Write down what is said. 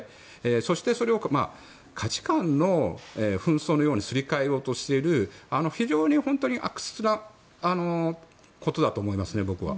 そして、価値観の紛争のようにすり替えようとしている非常に悪質なことだと僕は思います。